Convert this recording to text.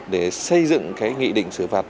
để xây dựng nghị định sửa phạt